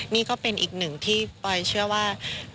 นี่ก็เป็นอีกหนึ่งที่ปลอยเชื่อว่า